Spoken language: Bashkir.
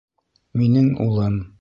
Минең улым!